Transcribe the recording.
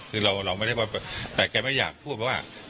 แต่แกไม่อยากพูดเพราะว่า